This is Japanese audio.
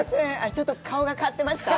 ちょっと顔が変わってました？